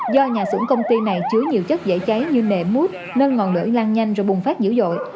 do nhà xưởng công ty này chứa nhiều chất dễ cháy như nệm mút nên ngọn lửa lan nhanh rồi bùng phát dữ dội